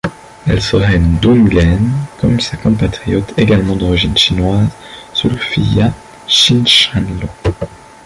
Elle serait une Doungane comme sa compatriote également d'origine chinoise Zulfiya Chinshanlo.